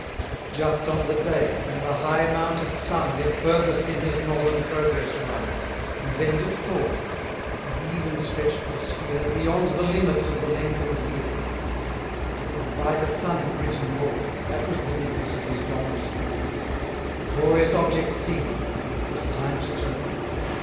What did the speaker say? Just on the day, when the high mounted Sun Did furthest in his northern progress run, He bended forward, and even stretch'd the sphere Beyond the limits of the lengthen'd year, To view a brighter sun in Britain born; That was the business of his longest morn; 10 The glorious object seen, 'twas time to turn.